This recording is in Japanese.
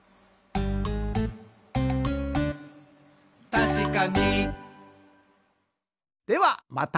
「たしかに！」ではまた！